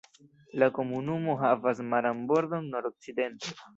La komunumo havas maran bordon nordokcidente.